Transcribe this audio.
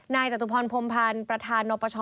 จตุพรพรมพันธ์ประธานนปช